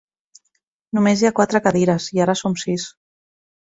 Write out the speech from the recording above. Només hi ha quatre cadires, i ara som sis.